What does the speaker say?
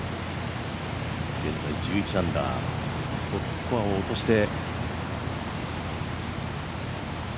現在１１アンダー、１つスコアを落として。